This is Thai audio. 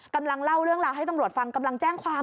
กำลังเล่าเรื่องราวให้ตำรวจฟังกำลังแจ้งความ